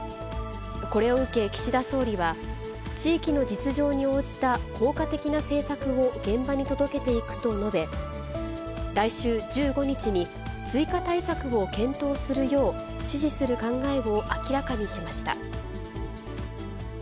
これを受け岸田総理は、地域の実情に応じた効果的な政策を現場に届けていくと述べ、来週１５日に、追加対策を検討するよう指示する考えを明らかにしました。